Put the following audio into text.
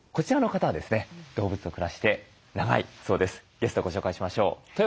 ゲストをご紹介しましょう。